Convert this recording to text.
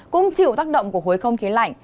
cũng chịu tác động của hối không khí lạnh